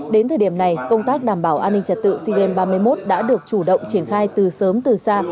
đến thời điểm này công tác đảm bảo an ninh trật tự sea games ba mươi một đã được chủ động triển khai từ sớm từ xa